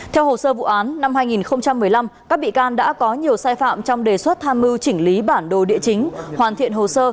theo hồ sơ vụ án năm hai nghìn một mươi năm các bị can đã có nhiều sai phạm trong đề xuất tham mưu chỉnh lý bản đồ địa chính hoàn thiện hồ sơ